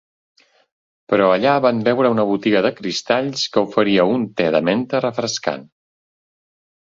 Però allà van veure una botiga de cristalls que oferia un te de menta refrescant.